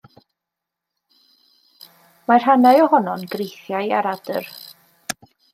Mae rhannau ohono'n greithiau aradr.